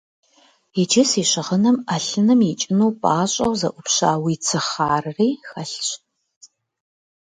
Иджы си щыгъынхэм Ӏэлъыным икӀыну пӀащӀэу зэӀупща уи цыхъарри хэлъщ.